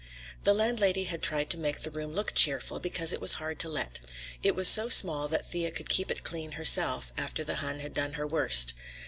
The landlady had tried to make the room look cheerful, because it was hard to let. It was so small that Thea could keep it clean herself, after the Hun had done her worst.